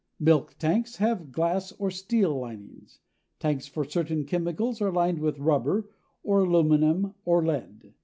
Milk tanks have glass or steel linings. Tanks for certain chemicals are lined with rubber or aluminum or lead.